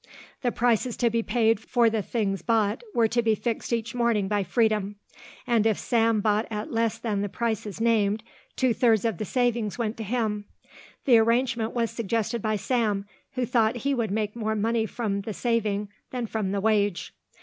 The prices to be paid for the things bought were to be fixed each morning by Freedom, and if Sam bought at less than the prices named two thirds of the savings went to him. The arrangement was suggested by Sam, who thought he would make more from the saving than from the wage.